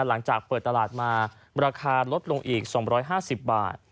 หลังจากเปิดตลาดมาราคาลดลงอีกสองร้อยห้าสิบบาท